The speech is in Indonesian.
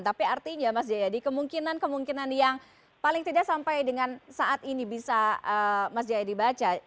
tapi artinya mas jaya dihanan kemungkinan kemungkinan yang paling tidak sampai dengan saat ini bisa mas jaya dihanan baca